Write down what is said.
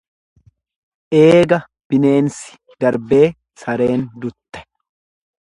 Eega bineensi darbee sareen dutte.